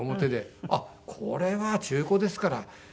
「あっこれは中古ですから」